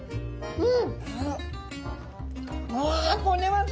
うん。